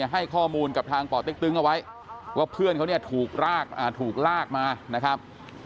ให้ข้อมูลกับทางป่อเต็กตึงเอาไว้ว่าเพื่อนเขาเนี่ยถูกลากมานะครับ